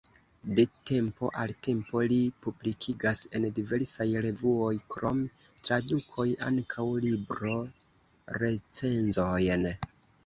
De tempo al tempo li publikigas en diversaj revuoj, krom tradukoj, ankaŭ libro-recenzojn.